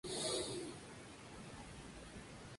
Se encontraba nuevamente bajo las órdenes de Von Manstein.